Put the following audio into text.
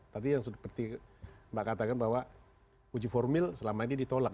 tadi yang seperti mbak katakan bahwa uji formil selama ini ditolak